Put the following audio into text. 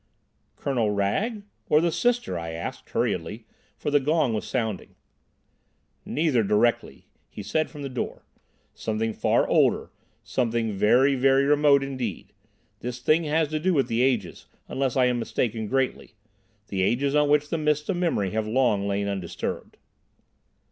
"Colonel Wragge—or the sister?" I asked hurriedly, for the gong was sounding. "Neither directly," he said from the door. "Something far older, something very, very remote indeed. This thing has to do with the ages, unless I am mistaken greatly, the ages on which the mists of memory have long lain undisturbed."